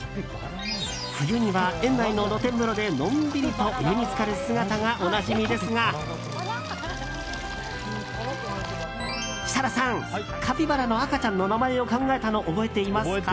冬には園内の露天風呂でのんびりとお湯に浸かる姿がおなじみですが設楽さん、カピバラの赤ちゃんの名前を考えたの覚えていますか？